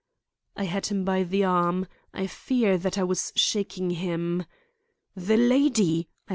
I had him by the arm. I fear that I was shaking him. "The lady!"